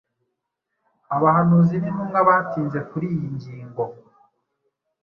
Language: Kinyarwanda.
Abahanuzi n’intumwa batinze kuri iyi ngingo.